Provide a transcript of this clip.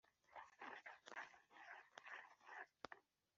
Abanabe barukure y’ubuhungiro bwaho